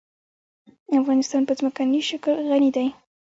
افغانستان په ځمکنی شکل غني دی.